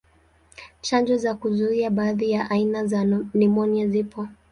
Chanjo za kuzuia baadhi ya aina za nimonia zipo.